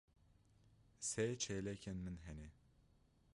Sê çêlekên min hene.